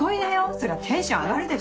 そりゃテンション上がるでしょ。